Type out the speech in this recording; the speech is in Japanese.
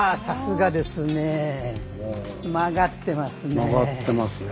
さすがですねぇ。